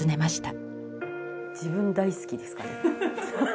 自分大好きですから。